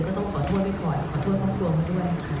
ก็ต้องขอโทษไว้ก่อนขอโทษครอบครัวไว้ด้วยค่ะ